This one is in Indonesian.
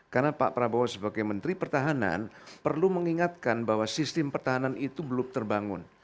karena pak prabowo sebagai menteri pertahanan perlu mengingatkan bahwa sistem pertahanan itu belum terbangun